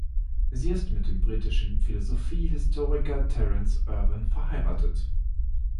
Sie ist mit dem britischen Philosophiehistoriker Terence Irwin verheiratet.